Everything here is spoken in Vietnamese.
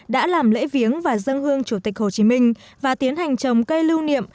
đã làm lễ viếng và dân hương chủ tịch hồ chí minh và tiến hành trồng cây lưu niệm